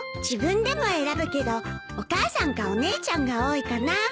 自分でも選ぶけどお母さんかお姉ちゃんが多いかな。